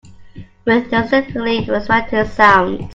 With distinctly separated sounds.